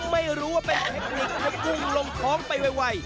ไม่รู้ว่าเป็นเทคนิคและกุ้งลงท้องไปไว